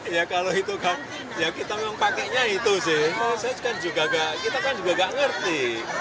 ya kalau itu kan ya kita memang pakenya itu sih kalau saya juga nggak kita kan juga nggak ngerti